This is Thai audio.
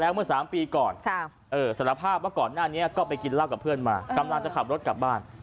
ว่าก่อนหน้านี้ก็ไปกินรักกับเพื่อนมากำลังจะขับรถกลับบ้าน